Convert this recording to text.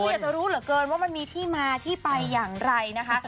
อยากจะรู้เหลือเกินว่ามันมีที่มาที่ไปอย่างไรนะคะ